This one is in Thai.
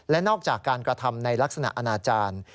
และนอกจากการกระทำในลักษณะอนาจารย์